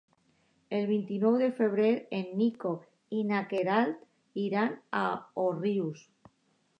El vint-i-nou de febrer en Nico i na Queralt iran a Òrrius.